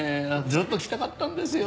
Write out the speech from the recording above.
ずっと来たかったんですよ。